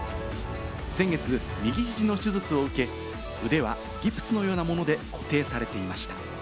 先月、右肘の手術を受け、腕はギプスのようなもので固定されていました。